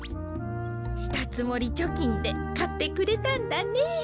したつもりちょきんでかってくれたんだね。